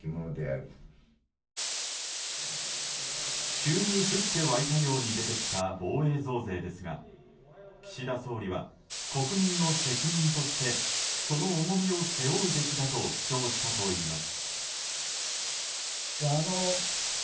急に降って湧いたように出てきた、防衛増税ですが岸田総理は、国民の責任としてその重みを背負うべきだと主張したといいます。